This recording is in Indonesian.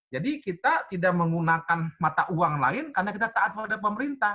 jadi kita tidak menggunakan mata uang lain karena kita taat pada pemerintah